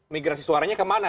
migrasi suaranya kemana